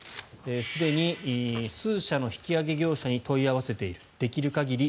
すでに数社の引き揚げ業者に問い合わせているできる限り